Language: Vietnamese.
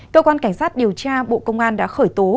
cơ quan cảnh sát điều tra bộ công an đã khởi tố